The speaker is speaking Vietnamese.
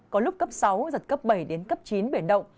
có lúc cấp sáu giật cấp bảy đến cấp chín biển động